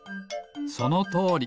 そのとおり。